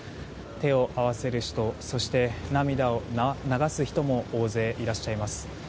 手を合わせる人そして、涙を流す人も大勢いらっしゃいます。